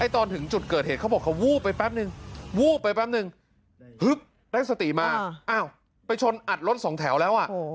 ตอนถึงจุดเกิดเหตุเขาบอกเขาวูบไปแป๊บนึงวูบไปแป๊บนึงฮึกได้สติมาไปชนอัดรถสองแถวแล้ว